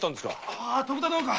ああ徳田殿か。